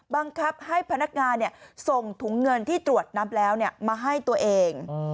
บังคับให้พนักงานส่งถุงเงินที่ตรวจนับแล้วมาให้ตัวเอง